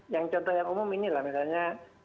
yang contoh yang umum inilah misalnya